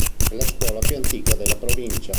È la scuola più antica della provincia.